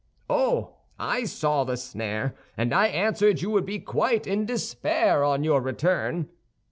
"Oh, I saw the snare, and I answered you would be quite in despair on your return.